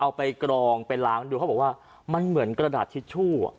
เอาไปกรองไปล้างดูเขาบอกว่ามันเหมือนกระดาษทิชชู่อ่ะ